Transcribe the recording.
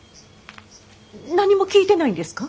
何も聞いてないんですか？